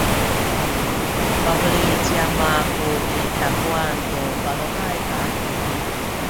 pabeli ci ama aku i takuwan tu baluhay a tuki